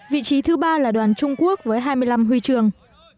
vị trí thứ ba là đoàn trung quốc với hai mươi năm huy chương